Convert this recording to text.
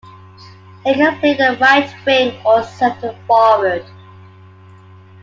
He can play at right wing or centre forward.